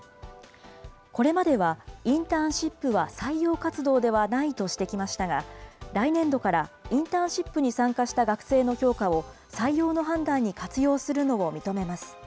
これまでは、インターンシップは採用活動ではないとしてきましたが、来年度からインターンシップに参加した学生の評価を採用の判断に活用するのを認めます。